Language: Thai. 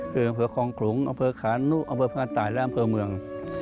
คืออำเภอคลองขลุงอำเภอขานุอำเภอพานตายและอำเภอเมือง